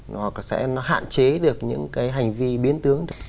nó sẽ hạn chế được những cái hành vi biến tướng